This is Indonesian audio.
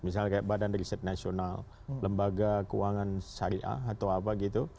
misalnya kayak badan riset nasional lembaga keuangan syariah atau apa gitu